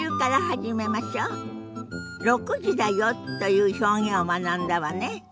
「６時だよ」という表現を学んだわね。